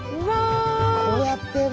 こうやってんだ！